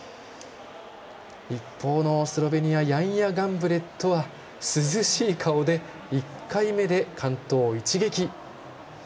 一方のスロベニアヤンヤ・ガンブレットは涼しい顔で１回目で完登、一撃。